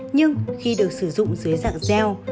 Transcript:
nhưng khi được sử dụng dưới dạng gel